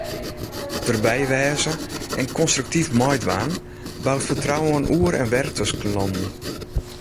Derby wêze, en konstruktyf meidwaan, bouwt fertrouwen oer en wer tusken lannen.